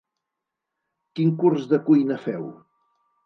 Quin curs de cuina feu?